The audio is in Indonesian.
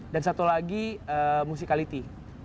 dan satu lagi musicality